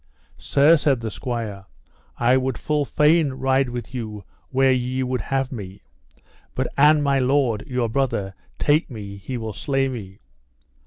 Sir, said the squire, I would full fain ride with you where ye would have me, but an my lord, your brother, take me he will slay me.